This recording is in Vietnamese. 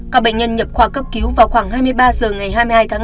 các bệnh nhân nhập khoa cấp cứu vào khoảng hai mươi ba h ngày hai mươi hai tháng năm